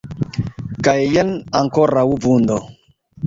Kaj, jen, ankoraŭ vundo.